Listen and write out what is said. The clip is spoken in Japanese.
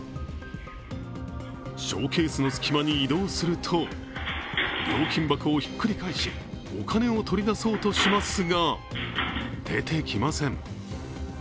ショーケースの隙間に移動すると料金箱をひっくり返しお金を取り出そうとしますが、出てきません。